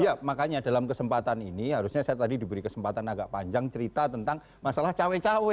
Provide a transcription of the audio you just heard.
iya makanya dalam kesempatan ini harusnya saya tadi diberi kesempatan agak panjang cerita tentang masalah cawe cawe